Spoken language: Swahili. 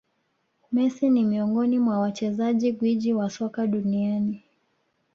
Messi ni miongoni mwa wachezaji gwiji wa soka duniani